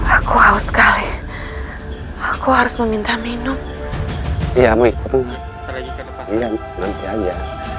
aku haus sekali aku harus meminta minum ya mikirnya lagi nanti aja